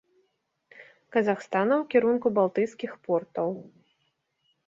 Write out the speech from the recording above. Казахстана ў кірунку балтыйскіх портаў.